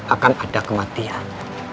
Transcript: akan ada kematian